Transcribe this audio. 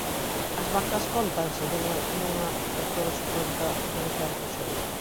As vacas cóntanse dunha nunha e todo se conta dun certo xeito.